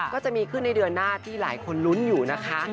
ก็จะมีขึ้นในเดือนหน้าที่หลายคนลุ้นอยู่นะคะ